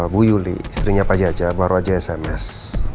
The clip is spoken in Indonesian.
bu yuli istrinya pak jaja baru aja sms